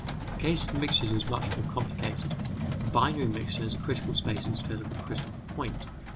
The case of mixtures is much more complicated. A binary mixture has a critical space instead of a critical point.